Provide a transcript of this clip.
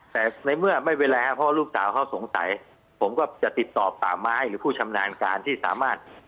แต่ในเมื่อไม่เวลาพ่อลูกสาวเขาสงสัยผมก็จะติดตอบสามายหรือผู้ชำนาญการที่สามารถ